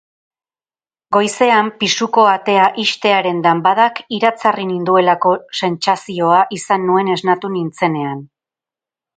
Goizean pisuko atea ixtearen danbadak iratzarri ninduelako sentsazioa izan nuen esnatu nintzenean.